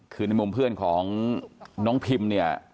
คือในมุมเพื่อนของน้องพิมเนี่ย